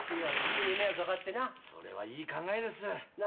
それはいい考えです。